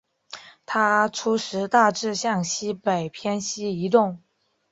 它初时大致向西北偏西移动。